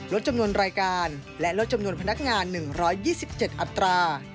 ลดจำนวนรายการและลดจำนวนพนักงาน๑๒๗อัตรา